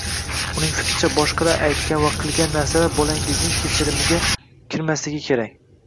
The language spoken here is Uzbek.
Uning fikricha boshqalar aytgan va qilgan narsalar bolangizning kechirimga kirmasligi kerak.